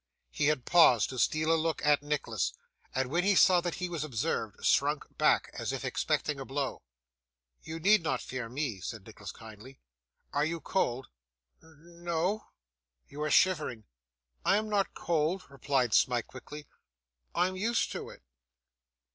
He had paused to steal a look at Nicholas, and when he saw that he was observed, shrunk back, as if expecting a blow. 'You need not fear me,' said Nicholas kindly. 'Are you cold?' 'N n o.' 'You are shivering.' 'I am not cold,' replied Smike quickly. 'I am used to it.